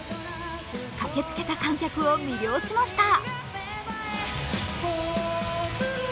駆けつけた観客を魅了しました。